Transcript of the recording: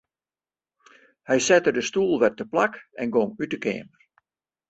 Hy sette de stoel wer teplak en gong út 'e keamer.